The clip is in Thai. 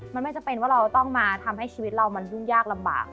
มันไม่จำเป็นว่าเราต้องมาทำให้ชีวิตเรามันยุ่งยากลำบาก